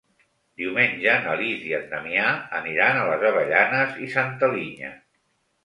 Diumenge na Lis i en Damià aniran a les Avellanes i Santa Linya.